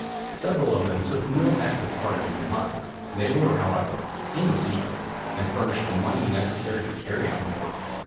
Several of them took no active part in the mine; they were, however, in the secret, and furnished the money necessary to carry on the work.